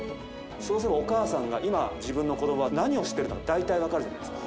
そうすれば、お母さんが今、自分の子どもが何をしてるか大体分かるじゃないですか。